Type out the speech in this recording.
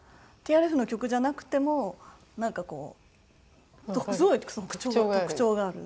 ＴＲＦの曲じゃなくてもなんかこうすごい特徴がある。